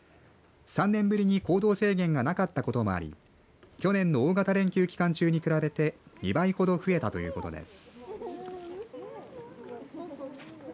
３年ぶりに行動制限がなかったこともあり去年の大型連休期間中に比べて２倍ほど増えたということです。